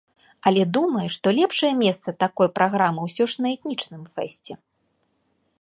Але думаю, што лепшае месца такой праграмы ўсё ж на этнічным фэсце.